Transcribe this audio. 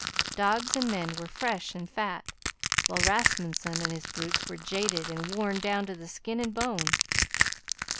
Dogs and men were fresh and fat, while Rasmunsen and his brutes were jaded and worn down to the skin and bone.